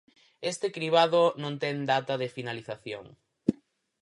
Este cribado non ten data de finalización.